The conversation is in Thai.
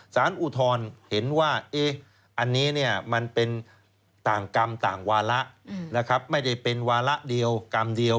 สารอุทรเห็นว่าอันนี้มันเป็นต่างกรรมต่างวาระไม่ได้เป็นวาระเดียวกรรมเดียว